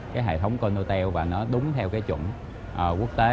cái hệ thống con hotel và nó đúng theo cái chuẩn quốc tế